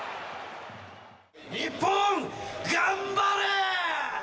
日本、頑張れ！